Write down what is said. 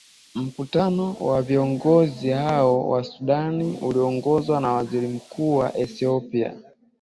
mkutano wa viongozi hao wa sudan uliongozwa na waziri mkuu wa ethiopia